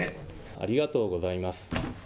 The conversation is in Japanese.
ありがとうございます。